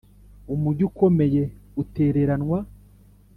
Umugi ukomeye utereranwa